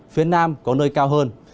phía nam có nơi cao hơn